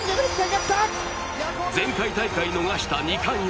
前回大会逃した２冠へ。